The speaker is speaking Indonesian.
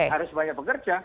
harus banyak bekerja